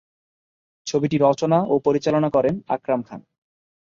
ছবিটি রচনা ও পরিচালনা করেন আকরাম খান।